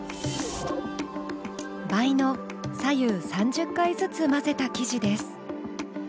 倍の左右３０回ずつ混ぜた生地です。